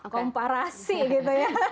komparasi gitu ya